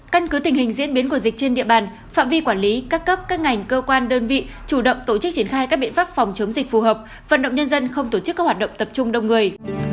căn cứ tình hình diễn biến của dịch trên địa bàn phạm vi quản lý các cấp các ngành cơ quan đơn vị chủ động tổ chức triển khai các biện pháp phòng chống dịch phù hợp vận động nhân dân không tổ chức các hoạt động tập trung đông người